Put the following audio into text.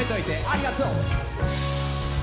ありがとう。